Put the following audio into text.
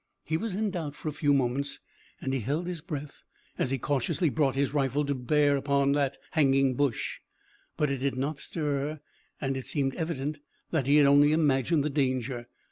He was in doubt for a few moments, and he held his breath as he cautiously brought his rifle to bear upon the hanging bush. But it did not stir, and it seemed evident that he had only imagined the danger.